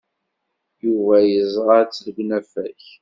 Yuba yeẓra-tt deg unafag.